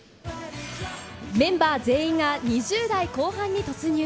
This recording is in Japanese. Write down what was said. メンバー全員が２０代後半に突入。